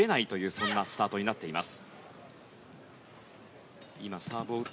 そんなスタートになっています。